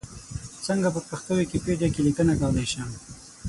څنګه په پښتو ویکیپېډیا کې لیکنه کولای شم؟